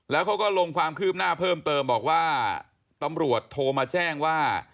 แล้วเขาก็ลงความคืบหน้าเพิ่มเติมบอกว่าตำรวจโทรมาแจ้งว่า